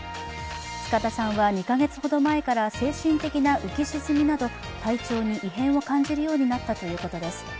塚田さんは２か月ほど前から精神的な浮き沈みなど、体調に異変を感じるようになったということです。